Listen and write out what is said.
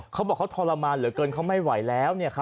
เขาบอกเขาทรมานเหลือเกินเขาไม่ไหวแล้ว